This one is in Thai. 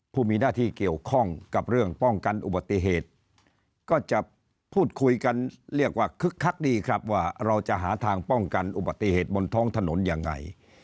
ผู้มีหน้าที่เกี่ยวข้องกับเรื่องป้องกันอุบัติเหตุก็จะพูดคุยกันเรียกว่าคึกคักดีครับว่าเราจะหาทางป้องกันอุบัติเหตุบนท้องถนนยังไง